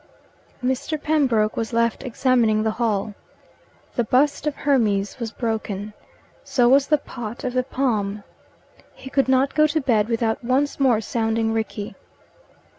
Mr. Pembroke was left examining the hall. The bust of Hermes was broken. So was the pot of the palm. He could not go to bed without once more sounding Rickie.